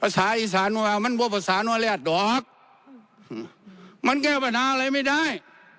ภาษาอีสานว่ามันว่าภาษาวาแรดดอกมันแก้ปัญหาอะไรไม่ได้